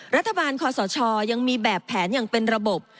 รัฐบาลคอสชยังมีแบบแผนอย่างเป็นระบบ